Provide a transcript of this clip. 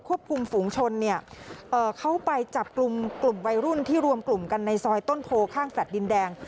ควบคุมฝูงชนเข้าไปจับกลุ่มวัยรุ่นที่รวมกลุ่มกันในซอยต้นโทข้างแฟลต์ดินแดง